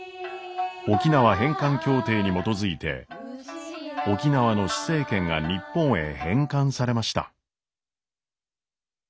沖縄返還協定に基づいて沖縄の施政権が日本へ返還されました。